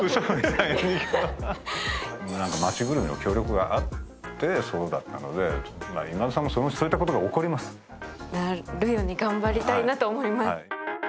町ぐるみの協力があってそうだったので今田さんもそのうちそういったことが起こりますなるように頑張りたいなと思います